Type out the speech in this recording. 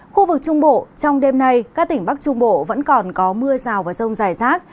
khu vực trung bộ trong đêm nay các tỉnh bắc trung bộ vẫn còn có mưa rào và rông dài rác